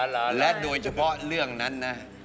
และโดยเฉพาะเรื่องนั้นนะ